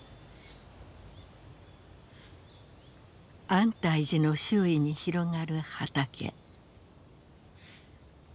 安泰寺の周囲に広がる畑。